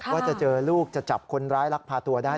ว่าจะเจอลูกจะจับคนร้ายลักพาตัวได้